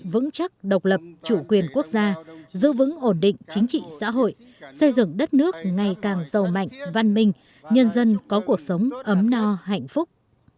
vững chắc độc lập chủ quyền quốc gia giữ vững ổn định chính trị xã hội xây dựng đất nước ngày càng giàu mạnh văn minh nhân dân có cuộc sống ấm no hạnh phúc